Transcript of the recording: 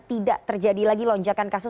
tidak terjadi lagi lonjakan kasus